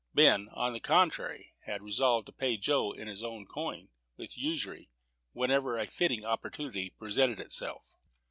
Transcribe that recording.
Ben, on the contrary, had resolved to pay Joe in his own coin, with usury, whenever a fitting opportunity presented itself.